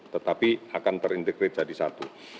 tetapi akan terintegrade jadi satu